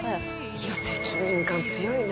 いや責任感強いな。